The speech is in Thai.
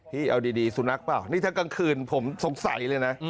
พี่เอาดีสุนัขเปล่านี่ถ้ากลางคืนผมสงสัยเลยนะ